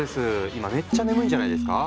今めっちゃ眠いんじゃないですか？